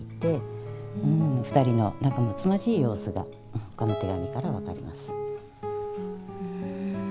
２人の仲むつまじい様子がこの手紙から分かります。